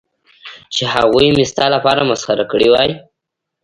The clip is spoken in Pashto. چې هغوی مې ستا لپاره مسخره کړې وای.